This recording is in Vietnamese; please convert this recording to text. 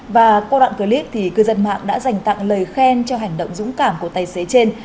và qua đoạn clip cư dân mạng đã dành tặng lời khen cho hành động dũng cảm của tài xế trên